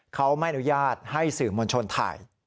เขาไม่อนุญาตให้สื่อมวลชนถ่าย